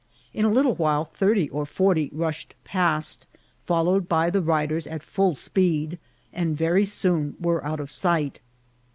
In a little while thirty or forty rushed past, followed by the riders at full speed, and very soon Were out of sight.